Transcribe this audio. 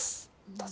どうぞ。